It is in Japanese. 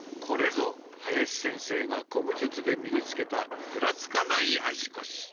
これぞ林先生が古武術で身につけたふらつかない足腰。